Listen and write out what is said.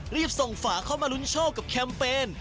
รีบส่งฝาเข้ามาลุ้นโชคกับแคมเปญ